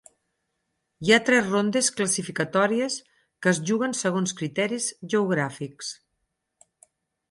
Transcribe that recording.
Hi ha tres rondes classificatòries que es juguen segons criteris geogràfics.